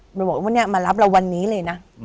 มันบอกว่าเนี่ยมารับเราวันนี้เลยนะ